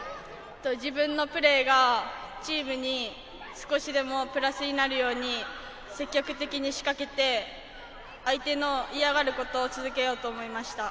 自分のプレーがチームに少しでもプラスになるように積極的に仕掛けて相手の嫌がることを続けようと思いました。